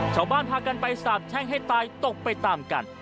ชาวบ้านพากันไปสาบแช่งให้ตายตกไปตามกัน